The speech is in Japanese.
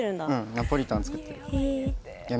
ナポリタン作ってるへえいや